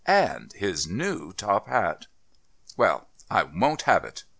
And his new top hat." "Well, I won't have it.